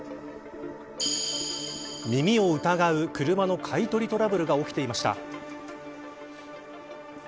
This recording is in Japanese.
耳を疑う車の買い取りトラブルが起きていました。